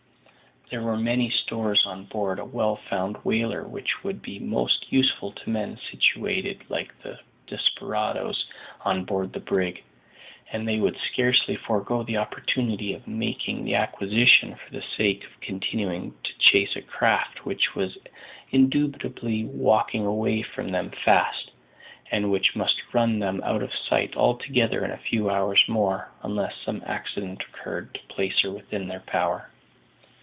There were many stores on board a well found whaler which would be most useful to men situated like the desperadoes on board the brig; and they would scarcely forego the opportunity of making the acquisition for the sake of continuing to chase a craft which was indubitably walking away from them fast, and which must run them out of sight altogether in a few hours more, unless some accident occurred to place her within their power.